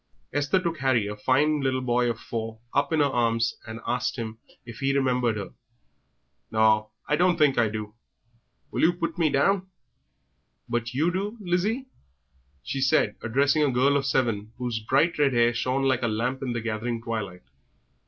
Esther took Harry, a fine little boy of four, up in her arms, and asked him if he remembered her. "Naw, I don't think I do. Will oo put me down?" "But you do, Lizzie?" she said, addressing a girl of seven, whose bright red hair shone like a lamp in the gathering twilight.